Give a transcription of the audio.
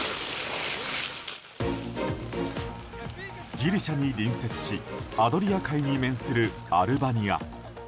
ギリシャに隣接しアドリア海に面するアルバニア。